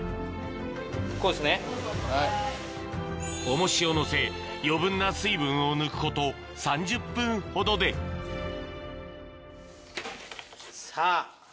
重しをのせ余分な水分を抜くこと３０分ほどでさぁ！